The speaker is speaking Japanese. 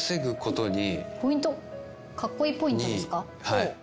はい。